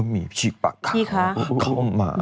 มีชีปะขาวเข้ามา